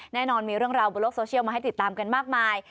แน่นอนมีเรื่องราวบนโลกโซเชียลมาให้ติดตามกันมากมาย